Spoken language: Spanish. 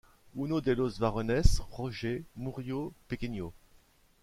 Uno de los varones, Roger, murió pequeño.